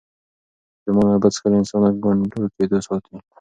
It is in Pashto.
پرېمانه اوبه څښل انسان له ګونډه کېدو ساتي.